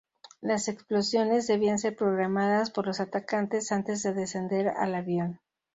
Las explosiones debían ser programadas por los atacantes antes de descender al avión.